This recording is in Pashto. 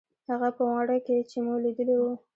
هغه په واڼه کښې چې مو ليدلي وو.